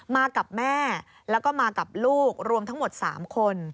มากับแม่แล้วก็มากับลูกรวมทั้งหมด๓คน